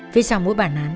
phía sau mỗi bản án